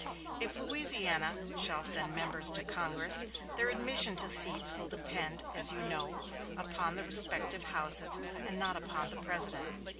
If Louisiana shall send members to Congress, their admission to seats will depend, as you know, upon the respective houses and not upon the President."